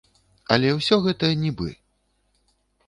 Але ўсё гэта нібы.